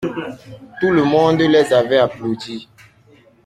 Tout le monde les avaient applaudis.